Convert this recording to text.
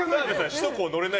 首都高、乗れない。